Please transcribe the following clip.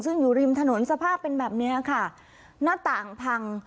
ซึ่งอยู่ริมถนนสภาพเป็นแบบเนี้ยค่ะหน้าต่างพัง